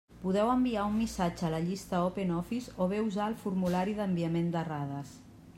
Podeu enviar un missatge a la llista Open Office o bé usar el formulari d'enviament d'errades.